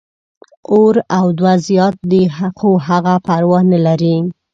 اور او دود زیات دي، خو هغه پروا نه لري.